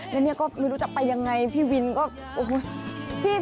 แล้วเนี่ยก็ไม่รู้จะไปยังไงพี่วินก็โอ้โหพี่